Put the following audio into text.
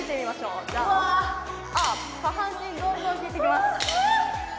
下半身どんどん効いてきます